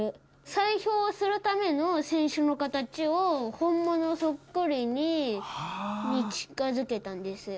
砕氷するための船首の形を、本物そっくりに近づけたんですよ。